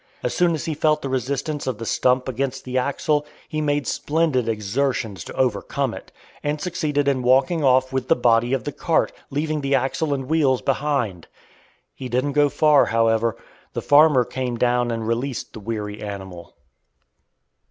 As soon as he felt the resistance of the stump against the axle, he made splendid exertions to overcome it, and succeeded in walking off with the body of the cart, leaving the axle and wheels behind. He didn't go far, however. The farmer came down and released the weary animal.